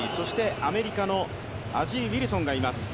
アメリカのアジー・ウィルソンがいます。